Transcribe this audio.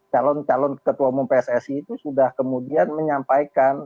calon calon ketua umum pssi itu sudah kemudian menyampaikan